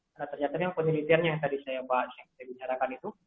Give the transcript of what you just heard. karena ternyata yang komuniternya yang tadi saya bahas yang saya bicarakan itu